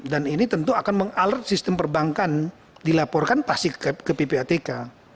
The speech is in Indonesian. dan ini tentu akan mengalert sistem perbankan dilaporkan pasti ke ppatk